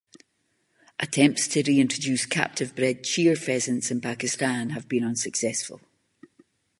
Attempts to reintroduce captive-bred cheer pheasants in Pakistan have been unsuccessful.